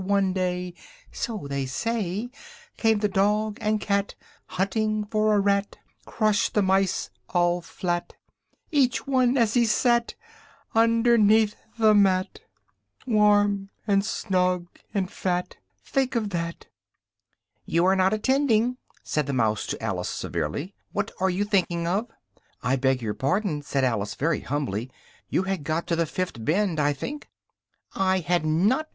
one day, (So they say) Came the dog and cat, Hunting for a rat, Crushed the mice all flat; Each one as he sat. U n d e r n e a t h t h e m a t , m r a W g u n s & t a f & T h i n k? o f t h a t! "You are not attending!" said the mouse to Alice severely, "what are you thinking of?" "I beg your pardon," said Alice very humbly, "you had got to the fifth bend, I think?" "I had not!"